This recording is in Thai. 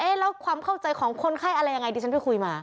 แล้วความเข้าใจของคนไข้อะไรยังไงดิฉันไปคุยมา